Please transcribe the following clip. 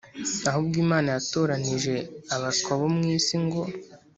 Ahubwo Imana yatoranije abaswa bo mu isi ngo